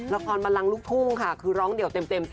ละครบันลังลูกทุ่งค่ะคือร้องเดี่ยวเต็ม